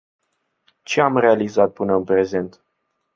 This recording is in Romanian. Ce am realizat până în prezent?